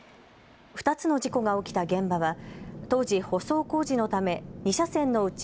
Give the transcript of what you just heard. ２つの事故が起きた現場は当時、舗装工事のため２車線のうち